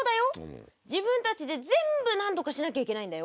自分たちで全部なんとかしなきゃいけないんだよ。